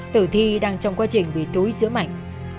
tử thi đang trong quá trình bị túi giữa mảnh